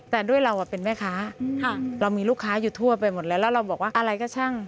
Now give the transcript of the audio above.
แต่ด้วยเราเป็นแม่ค้าเรามีลูกค้าอยู่ทั่วไปหมดแล้วแล้วเราบอกว่าอะไรก็ช่าง